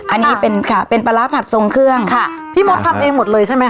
อันนี้เป็นค่ะเป็นปลาร้าผัดทรงเครื่องค่ะพี่มดทำเองหมดเลยใช่ไหมค